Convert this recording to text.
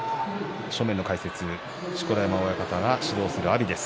正面の解説、錣山親方が指導する阿炎です。